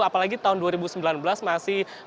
apalagi tahun dua ribu sembilan belas masih